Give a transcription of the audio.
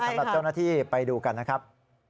สำหรับเจ้าหน้าที่ไปดูกันนะครับ